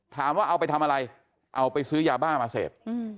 ถามว่าเอาไปทำอะไรเอาไปซื้อยาบ้ามาเสพ